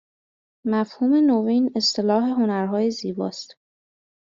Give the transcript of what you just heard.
مفهوم نوین اصطلاح هنرهای زیباست